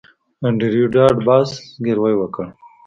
انډریو ډاټ باس زګیروی وکړ